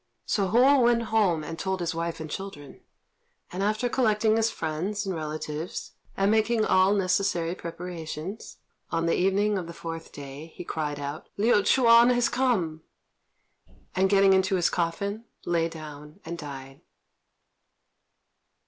So Hou went home and told his wife and children; and after collecting his friends and relatives, and making all necessary preparations, on the evening of the fourth day he cried out, "Liu Ch'üan has come!" and, getting into his coffin, lay down and died.